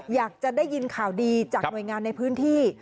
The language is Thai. อยากจะได้ยินข่าวดีจากหน่วยงานในพื้นที่